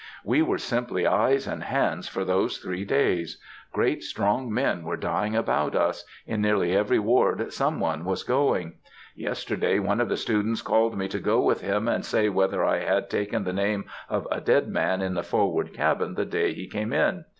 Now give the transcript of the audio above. We were simply eyes and hands for those three days. Great, strong men were dying about us; in nearly every ward some one was going. Yesterday one of the students called me to go with him and say whether I had taken the name of a dead man in the forward cabin the day he came in.